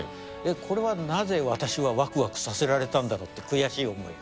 これはなぜ私はわくわくさせられたんだろうって悔しい思いが。